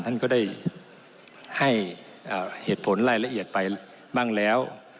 ท่านก็ได้ให้เหตุผลรายละเอียดไปบ้างแล้ว